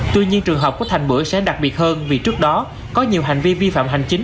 tuy nhiên trường hợp của thành bưởi sẽ đặc biệt hơn vì trước đó có nhiều hành vi vi phạm hành chính